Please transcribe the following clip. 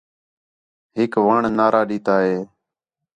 ہِک وݨ نعرہ ݙِتّا ہِے